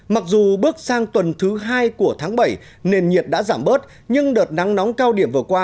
mặc dù bước sang tuần thứ hai của tháng bảy nền nhiệt đã giảm bớt nhưng đợt nắng nóng cao điểm vừa qua